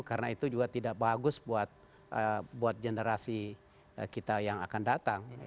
karena itu juga tidak bagus buat generasi kita yang akan datang